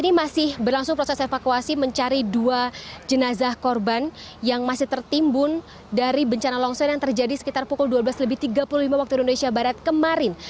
ini masih berlangsung proses evakuasi mencari dua jenazah korban yang masih tertimbun dari bencana longsor yang terjadi sekitar pukul dua belas lebih tiga puluh lima waktu indonesia barat kemarin